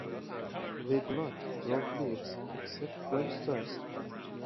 They do not drop leaves except when stressed.